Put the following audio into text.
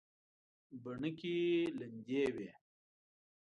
بڼکې لندې وې.